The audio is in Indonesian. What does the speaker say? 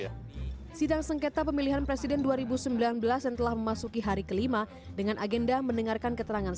yang menjadi ahli yang mencari kemampuan untuk mencari kemampuan